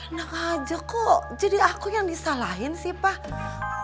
enak aja kok jadi aku yang disalahin sih pak